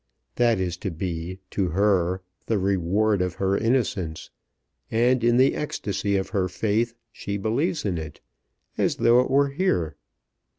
That is to be, to her, the reward of her innocence, and in the ecstacy of her faith she believes in it, as though it were here.